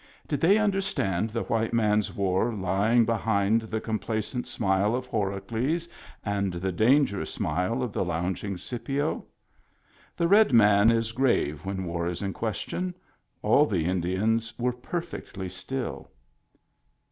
Did they understand the white man's war l3dng behind the complacent smile of Horacles and the dangerous smile of the lounging Scipio? The red man is grave when war is in question ; all the Indians were perfectly still.